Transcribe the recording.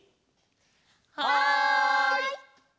はい！